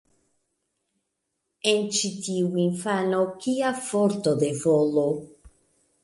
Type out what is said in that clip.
En ĉi tiu infano, kia forto de volo!